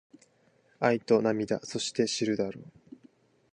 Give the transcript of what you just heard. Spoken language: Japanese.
愛と涙そして知るだろう